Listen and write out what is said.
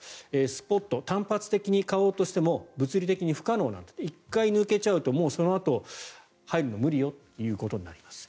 スポット単発的に買おうとしても物理的に不可能１回抜けちゃうとそのあと入るのは無理よということです。